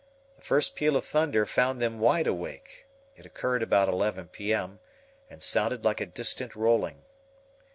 The first peal of thunder found them wide awake. It occurred about 11 P. M., and sounded like a distant rolling.